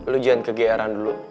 lu jangan kegeeran dulu